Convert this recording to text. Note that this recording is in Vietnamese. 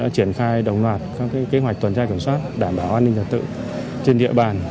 triển khai đồng loạt các kế hoạch tuần tra kiểm soát đảm bảo an ninh trật tự trên địa bàn